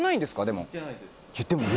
でも。